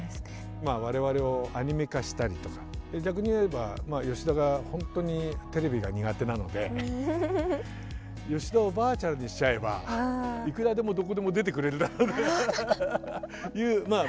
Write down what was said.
我々をアニメ化したりとか逆に言えば吉田がほんとにテレビが苦手なので吉田をヴァーチャルにしちゃえばいくらでもどこでも出てくれるだろうという僕の悪だくみもあり。